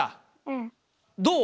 どう？